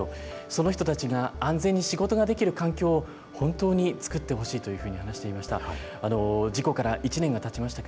その人たちが安全に仕事ができる環境を、本当に作ってほしいというふうに話していました。